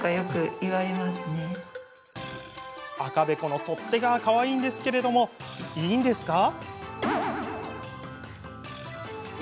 赤べこの取っ手がかわいいですけれどいいんですか？